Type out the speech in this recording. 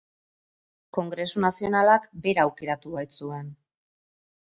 Kongresu Nazionalak bera aukeratu baitzuen.